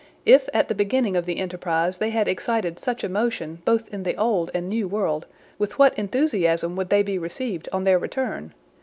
If at the beginning of the enterprise they had excited such emotion both in the old and new world, with what enthusiasm would they be received on their return!